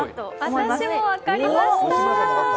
私も分かりました。